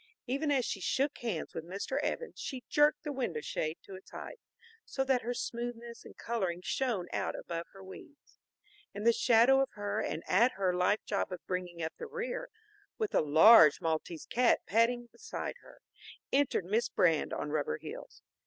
Even as she shook hands with Mr. Evans, she jerked the window shade to its height, so that her smoothness and coloring shone out above her weeds. In the shadow of her and at her life job of bringing up the rear, with a large Maltese cat padding beside her, entered Miss Brand on rubber heels.